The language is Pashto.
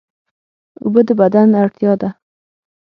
اوبه د بدن اړتیا ده